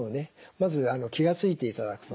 まず気が付いていただくと。